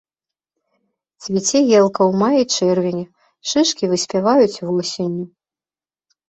Цвіце елка ў маі-чэрвені, шышкі выспяваюць восенню.